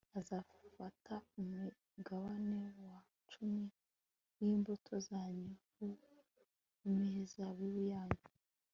azafata umugabane wa cumi w'imbuto zanyu n'uw'imizabibu yanyu